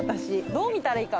どう見たらいいか。